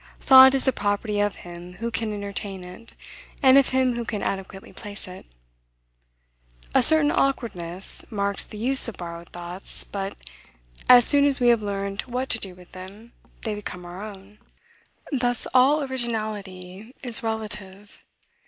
Thought is the property of him who can entertain it; and of him who can adequately place it. A certain awkwardness marks the use of borrowed thoughts; but, as soon as we have learned what to do with them, they become our own. Thus, all originality is relative.